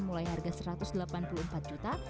mulai harga satu ratus delapan puluh empat juta